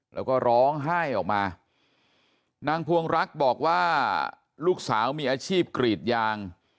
แล้วก็ร้องไห้ออกมานางพวงรักบอกว่าลูกสาวมีอาชีพกรีดยาง